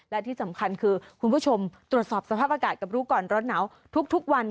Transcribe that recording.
และที่สำคัญคือคุณผู้ชมตรวจสอบสภาพอากาศกับรู้ก่อนร้อนหนาวทุกวัน